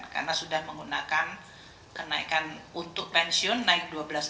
karena sudah menggunakan kenaikan untuk pensiun naik dua belas